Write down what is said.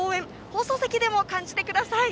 放送席でも感じてください。